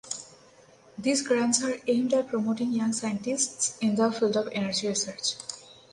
These grants are aimed at promoting young scientists in the field of energy research.